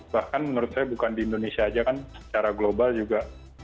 bahkan menurut saya bukan di indonesia aja kan secara global juga